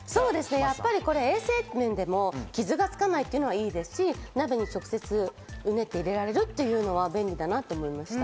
衛生面でも傷がつかないのはいいですし、鍋に直接入れられるというのは便利だなと思いました。